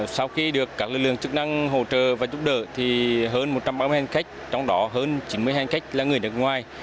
sau khi được các lực lượng chức năng hỗ trợ và giúp đỡ thì hơn một trăm ba mươi hành khách trong đó hơn chín mươi hành khách là người nước ngoài